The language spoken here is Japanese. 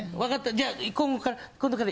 じゃあ今度から。